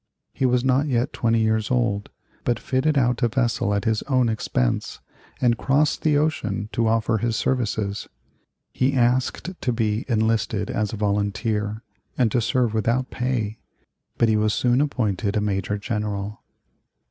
He was not yet twenty years old, but fitted out a vessel at his own expense and crossed the ocean to offer his services. He asked to be enlisted as a volunteer and to serve without pay, but he was soon appointed a major general.